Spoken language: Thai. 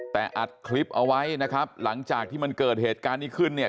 แต่อัดคลิปเอาไว้นะครับหลังจากที่มันเกิดเหตุการณ์นี้ขึ้นเนี่ย